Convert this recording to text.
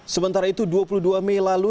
sementara itu dua puluh dua mei lalu